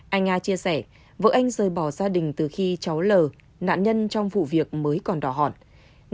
anh nga chia sẻ vợ anh rời bỏ gia đình từ khi cháu l nạn nhân trong vụ việc mới còn đỏ hòn